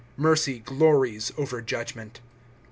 Mercy glories over judgment.